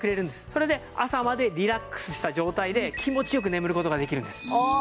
それで朝までリラックスした状態で気持ち良く眠る事ができるんです。